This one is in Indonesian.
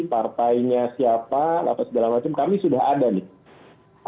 partainya siapa apa segala macam kami sudah ada nih